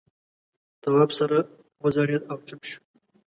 تواب سر وځړېد او چوپ شو.